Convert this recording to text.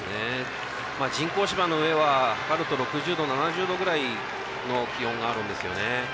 人工芝の上は６０度、７０度ぐらいの気温があるんですよね。